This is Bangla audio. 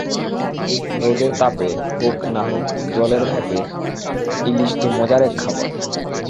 রোদের তাপে হোক না হোক জলের ভাপে ইলিশ তো মজার এক খাবার।